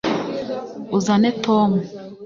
uzane, tom